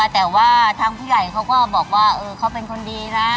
แต่ว่าทางผู้ใหญ่เขาก็บอกว่าเขาเป็นคนดีนะ